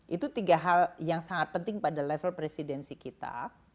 itu tiga hal yang sangat penting pada level presidensi kita